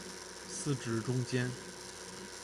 司职中坚。